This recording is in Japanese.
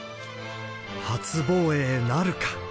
初防衛なるか。